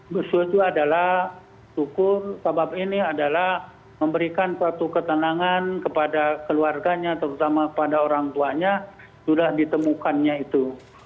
musuh itu adalah syukur sebab ini adalah memberikan suatu ketenangan kepada keluarganya terutama kepada orang tuanya sudah ditemukannya itu